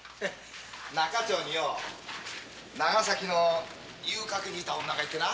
仲町によ長崎の遊廓にいた女がいてな。